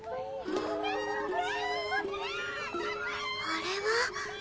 あれは。